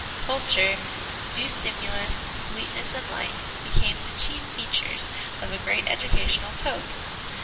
Culture, due stimulus, sweetness and light, became the chief features of a great educational code.